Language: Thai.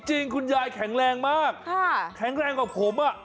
คุณยายแข็งแรงมากแข็งแรงกว่าผม